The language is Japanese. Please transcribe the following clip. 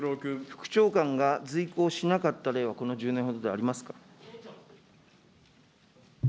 副長官が随行しなかった例は、この１０年ほどでありますか。